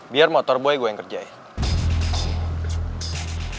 biar motor boy gue yang kerjain